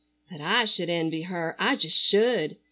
"But I should envy her, I just should.